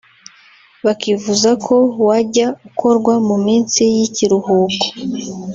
bakifuza ko wajya ukorwa mu minsi y’ikiruhuko